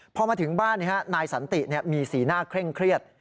พอมาถึงบ้านนายสันติมีสีหน้าเคร่งเครียด